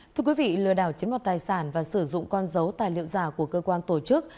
thưa quý vị lừa đảo chiếm đoạt tài sản và sử dụng con dấu tài liệu giả của cơ quan tổ chức